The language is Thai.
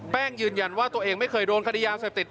ยืนยันว่าตัวเองไม่เคยโดนคดียาเสพติด